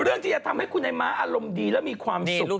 เรื่องที่จะทำให้คุณไอ้ม้าอารมณ์ดีและมีความสุข